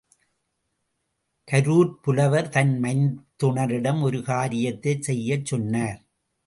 கரூர்ப் புலவர் தன் மைத்துனரிடம் ஒரு காரியத்தைச் செய்யச் சொன்னார்.